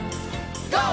ＧＯ！